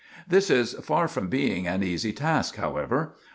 This is far from being an easy task, however.